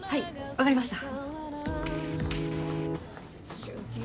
分かりました。